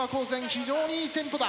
非常にいいテンポだ。